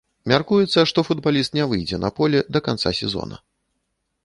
Мяркуецца, што футбаліст не выйдзе на поле да канца сезона.